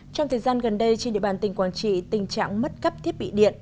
trong thời gian gần đây trên địa bàn tỉnh quảng trị tình trạng mất cắp thiết bị điện